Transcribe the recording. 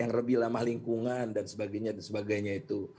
yang lebih ramah lingkungan dan sebagainya itu